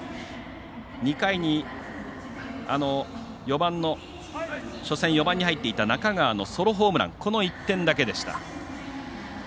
２回に、初戦、４番に入っていた中川のソロホームランこの１点だけでした。